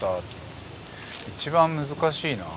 一番難しいなその。